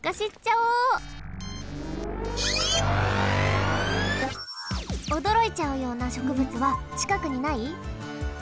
おどろいちゃうようなしょくぶつはちかくにない？